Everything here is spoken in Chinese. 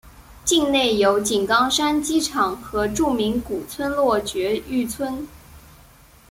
境内有井冈山机场和著名古村落爵誉村。